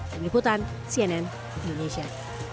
peniputan cnn indonesia